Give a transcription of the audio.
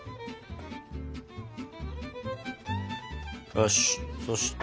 よしそして。